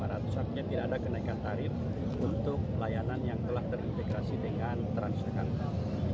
rusaknya tidak ada kenaikan tarif untuk layanan yang telah terintegrasi dengan transjakarta